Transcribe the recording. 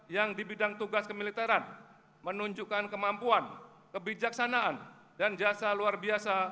yang di bidang tugas kemiliteran menunjukkan kemampuan kebijaksanaan dan jasa luar biasa